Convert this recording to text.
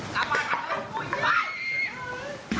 กันเลย